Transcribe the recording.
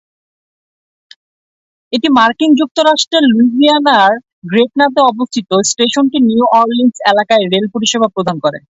এটি মার্কিন যুক্তরাষ্ট্রের লুইজিয়ানার গ্রেটনাতে অবস্থিত। স্টেশনটি নিউ অরলিন্স এলাকায় রেল পরিষেবা প্রদান করে।